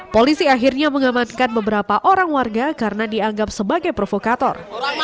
polisi akhirnya mengamankan beberapa orang warga karena dianggap sebagai provokator